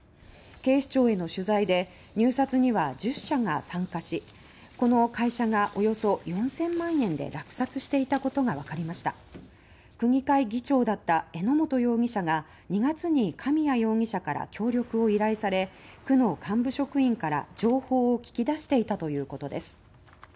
警視庁への取材で入札には１０社が参加しこの会社がおよそ４０００万円で落札していたことが分かりました神谷容疑者が２月に区議会議長だった榎本容疑者に協力を依頼し区の幹部職員から情報を聞き出していたということです。